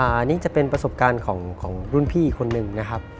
อันนี้จะเป็นประสบการณ์ของรุ่นพี่คนหนึ่งนะครับ